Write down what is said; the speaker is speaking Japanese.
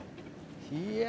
いや。